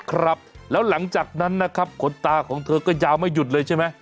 ครับแล้วหลังจากนั้นนะครับขนตาของเธอก็ยาวไม่หยุดเลยใช่ไหม